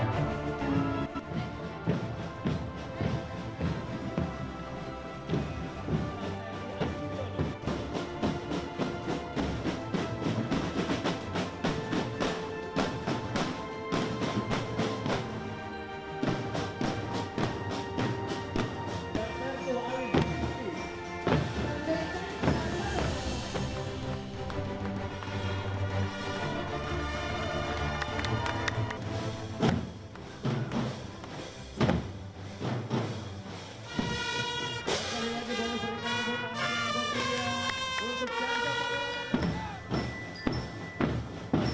ketikar gede keadaan merecehkan segala bisa